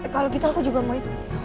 kalau gitu aku juga mau ikut